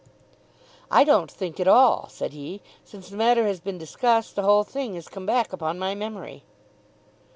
"I don't think at all," said he. "Since the matter has been discussed the whole thing has come back upon my memory."